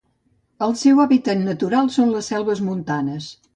El seu hàbitat natural són les selves montanes.